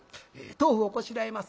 豆腐をこしらえます。